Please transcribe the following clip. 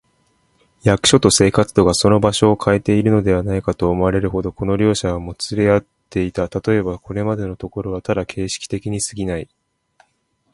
役所と生活とがその場所をかえているのではないか、と思われるほど、この両者はもつれ合っていた。たとえば、これまでのところはただ形式的にすぎない、